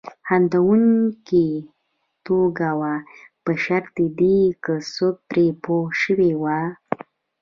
خندونکې ټوکه وه په شرط د دې که څوک پرې پوه شوي وای.